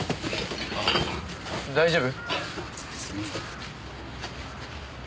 大丈夫？